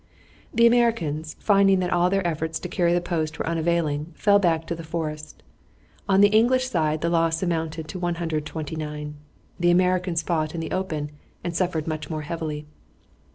The Americans, finding that all their efforts to carry the post were unavailing, fell back to the forest. On the English side the loss amounted to 129. The Americans fought in the open and suffered much more heavily.